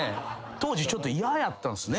当時ちょっと嫌やったんすね。